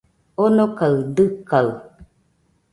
Onokaɨ dɨkaɨ